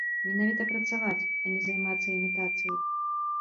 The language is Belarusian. Менавіта працаваць, а не займацца імітацыяй.